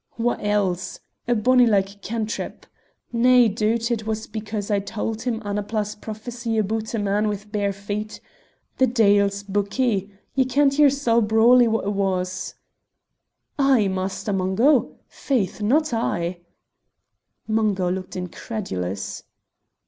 "Wha else? A bonny like cantrip! Nae doot it was because I tauld him Annapla's prophecy aboot a man with the bare feet. The deil's buckie! Ye kent yersel' brawly wha it was." "I, Master Mungo! Faith, not I!" Mungo looked incredulous.